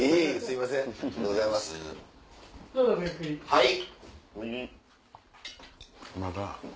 はい。